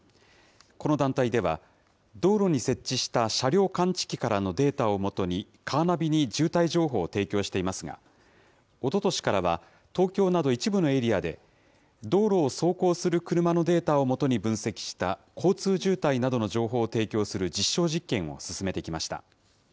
この団体では、道路に設置した車両感知器からのデータを基に、カーナビに渋滞情報を提供していますが、おととしからは、東京など一部のエリアで道路を走行する車のデータを基に分析した交通渋滞などの情報を提供する実証実験を進めてきました。